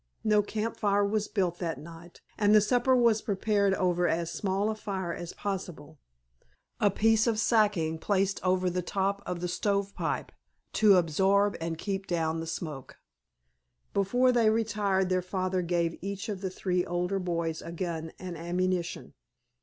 No camp fire was built that night, and the supper was prepared over as small a fire as possible, a piece of sacking placed over the top of the stove pipe to absorb and keep down the smoke. Before they retired their father gave each of the three older boys a gun and ammunition.